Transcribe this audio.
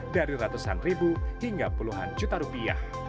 dari ratusan ribu hingga puluhan juta rupiah